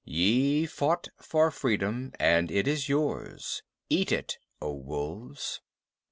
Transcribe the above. Ye fought for freedom, and it is yours. Eat it, O Wolves."